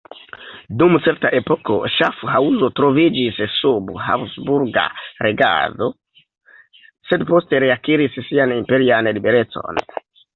Dum certa epoko Ŝafhaŭzo troviĝis sub habsburga regado sed poste reakiris sian imperian liberecon.